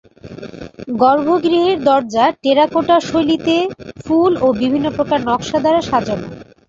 গর্ভগৃহের দরজা টেরাকোটা শৈলীতে ফুল ও বিভিন্ন প্রকার নকশা দ্বারা সাজানো।